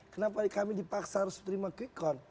kenapa kami dipaksa harus menerima qikon